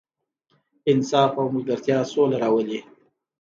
انصاف او ملګرتیا سوله راولي.